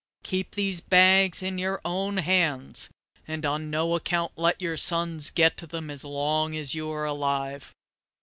Keep these bags in your own hands, and on no account let your sons get to them as long as you are alive.